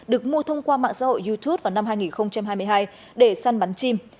được mua thông qua mạng xã hội youtube vào năm hai nghìn hai mươi hai để săn bắn chim